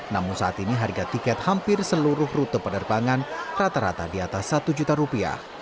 namun saat ini harga tiket hampir seluruh rute penerbangan rata rata di atas satu juta rupiah